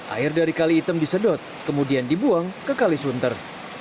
air dari kali item disedot kemudian dibuang ke kali sunter